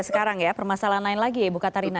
sekarang ya permasalahan lain lagi ya ibu katarina